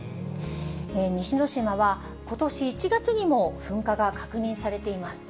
西之島は、ことし１月にも噴火が確認されています。